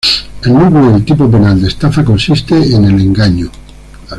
El núcleo del tipo penal de estafa consiste en el "engaño".